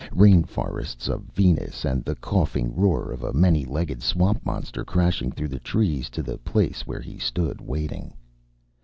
Rain forests of Venus and the coughing roar of a many legged swamp monster crashing through the trees to the place where he stood waiting.